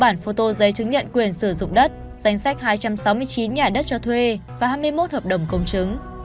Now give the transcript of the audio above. một bảy trăm tám mươi bốn bản photo giấy chứng nhận quyền sử dụng đất danh sách hai trăm sáu mươi chín nhà đất cho thuê và hai mươi một hợp đồng công chứng